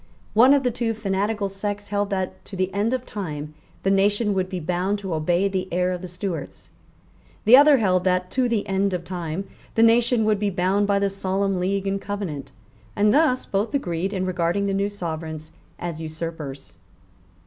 One of the two fanatical sects held that, to the end of time, the nation would be bound to obey the heir of the Stuarts; the other held that, to the end of time, the nation would be bound by the Solemn League and Covenant; and thus both agreed in regarding the new Sovereigns as usurpers.